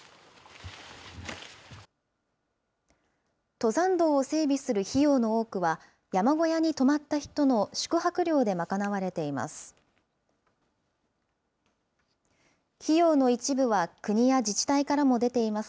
登山道を整備する費用の多くは、山小屋に泊まった人の宿泊料で賄われています。